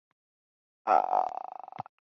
父亲近藤壮吉是律师则为藩士之后。